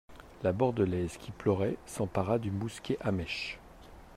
La Bordelaise, qui pleurait, s'empara du mousquet à mèche.